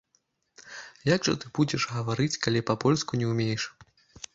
Як жа ты будзеш гаварыць, калі па-польску не ўмееш?